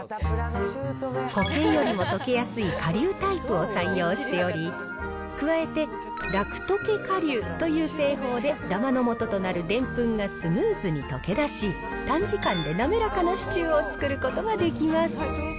固形よりも溶けやすい顆粒タイプを採用しており、加えてラクとけ顆粒という製法で、だまのもととなるでんぷんがスムーズに溶け出し、短時間で滑らかなシチューを作ることができます。